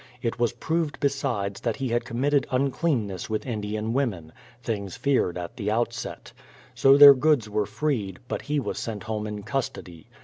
It was proved, besides, that he had committed uncleanness with Indian women, — things feared at the outset. So their goods were freed, but he was sent home in custody.